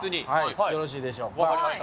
分かりました。